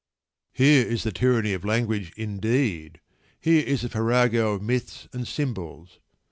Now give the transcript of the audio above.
Here is the tyranny of language, indeed! Here is a farrago of myths and symbols.